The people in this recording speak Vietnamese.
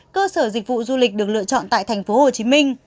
cơ sở dịch vụ du lịch được lựa chọn tại tp hcm